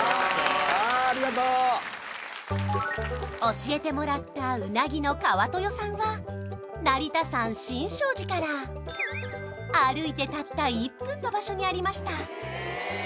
教えてもらったうなぎの川豊さんは成田山新勝寺から歩いてたった１分の場所にありました